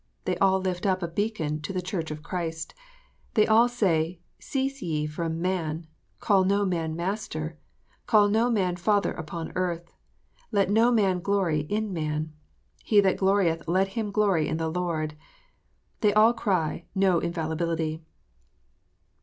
They all lift up a beacon to the Church of Christ. They all say, " Cease ye from man ;"" Call no man master ;"" Call no man father upon earth ;" "Let no man glory in man;" "He that glorieth, let him glory in the Lord." They all cry, No infallibility